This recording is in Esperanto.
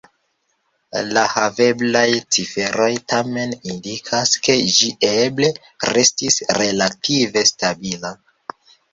La haveblaj ciferoj tamen indikas, ke ĝi eble restis relative stabila.